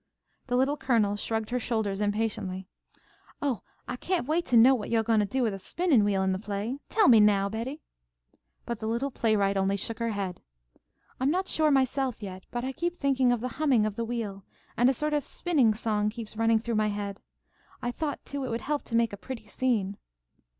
The Little Colonel shrugged her shoulders impatiently. "Oh, I can't wait to know what you're goin' to do with a spinnin' wheel in the play. Tell me now, Betty." But the little playwright only shook her head "I'm not sure myself yet. But I keep thinking of the humming of the wheel, and a sort of spinning song keeps running through my head. I thought, too, it would help to make a pretty scene."